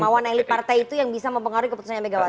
kemauan elit partai itu yang bisa mempengaruhi keputusannya megawati